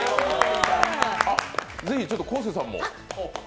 ぜひ昴生さんも。